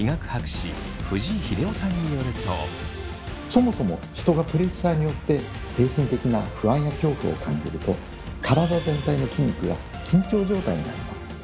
そもそも人がプレッシャーによって精神的な不安や恐怖を感じると体全体の筋肉が緊張状態になります。